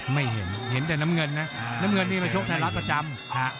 ไม่เห็นเห็นแต่น้ำเงินนะน้ำเงินนี่มาชกไทยรัฐประจำ